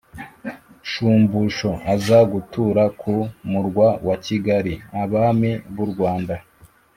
shumbusho, aza gutura ku murwa wa kigali. abami b'u rwanda